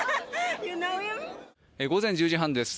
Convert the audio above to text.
午前１０時半です。